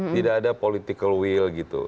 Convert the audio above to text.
tidak ada political will gitu